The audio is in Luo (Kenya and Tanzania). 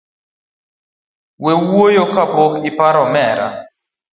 We wuoyo kapok iparo omera.